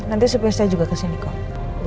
nanti sepi saya juga kesini kok